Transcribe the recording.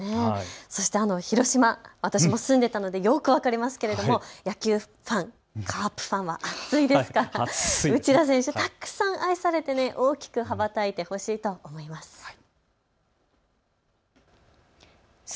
そして広島、私も住んでいたのでよく分かるんですけど野球ファン、カープファンは熱いですから内田選手、たくさん愛されて大きく羽ばたいてほしいと思います。